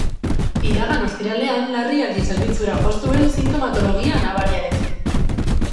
Iragan ostiralean larrialdi zerbitzura jo zuen sintomatologia nabariarekin.